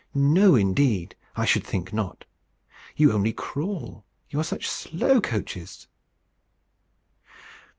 "No indeed, I should think not. You only crawl. You are such slow coaches!"